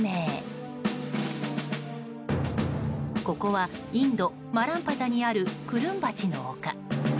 ここはインド・マランパザにあるクルンバチの丘。